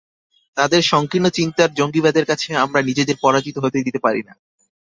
তাদের সংকীর্ণ চিন্তার জঙ্গিবাদের কাছে আমরা নিজেদের পরাজিত হতে দিতে পারি না।